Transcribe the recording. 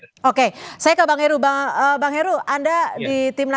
oleh mahkamah konstitusi bahwa syarat umur itu merupakan sesuatu yang sah dan konstitusional